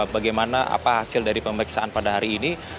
bagaimana apa hasil dari pemeriksaan pada hari ini